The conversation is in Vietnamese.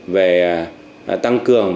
về tăng cường